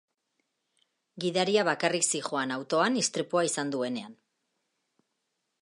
Gidaria bakarrik zihoan autoan istripua izan duenean.